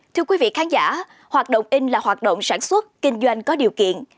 thưa quý vị khán giả hoạt động in là hoạt động sản xuất kinh doanh có điều kiện